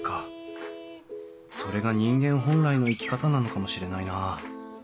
それが人間本来の生き方なのかもしれないなあ。